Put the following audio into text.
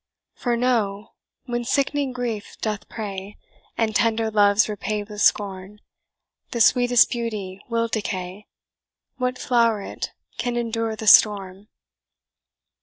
"For know, when sick'ning grief doth prey, And tender love's repaid with scorn, The sweetest beauty will decay, What floweret can endure the storm?